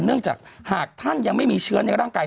เนื่องจากหากท่านยังไม่มีเชื้อในร่างกาย